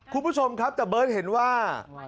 คุณผู้ชมครับแต่เบิร์ตเห็นว่า